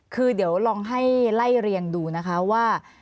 คือเดี๋ยวลองให้ไล่เรียงดูนะคะว่า